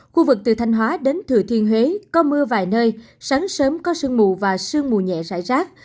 khu vực từ thanh hóa đến thừa thiên huế có mưa vài nơi sáng sớm có sương mù và sương mù nhẹ rải rác